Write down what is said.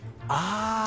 ああ！